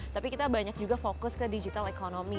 tapi kita banyak juga fokus ke digital economy